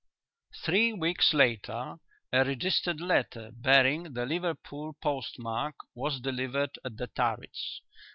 Three weeks later a registered letter bearing the Liverpool postmark was delivered at The Turrets.